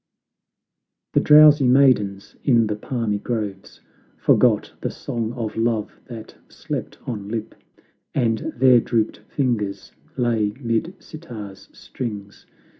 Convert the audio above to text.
The drowsy maidens in the palmy groves Forgot the song of love that slept on lip, And there drooped fingers lay mid sitar's strings.